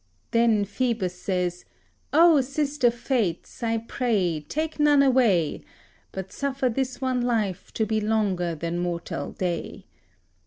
Then Phoebus says, "O sister Fates! I pray take none away, But suffer this one life to be longer than mortal day.